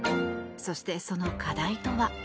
そして、その課題とは？